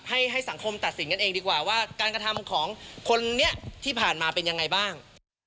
ให้สังคมตัดสินกันเองดีกว่าว่าการกระทำของคนนี้ที่ผ่านมาเป็นยังไงบ้าง